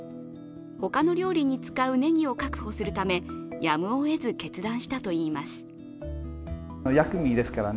他の料理に使うねぎを確保するためやむをえず決断したといいます。